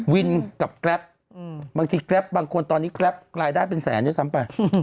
กับแกรปบางทีแกรปบางคนตอนนี้แกรปรายได้เป็นแสนด้วยซ้ำไป